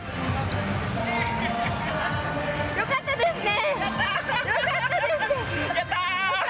良かったですね！